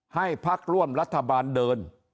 ให้พักร่วมรัฐบาลเดิน